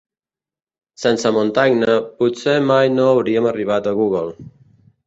Sense Montaigne potser mai no hauríem arribat a Google.